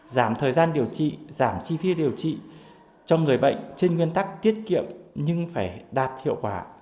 giảm thời gian điều trị giảm chi phí điều trị cho người bệnh trên nguyên tắc tiết kiệm nhưng phải đạt hiệu quả